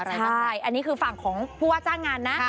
ใช่อันนี้คือฝั่งของผัวจ้างงานนะ